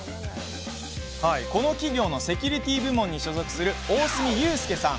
この企業のセキュリティー部門に所属する大角祐介さん。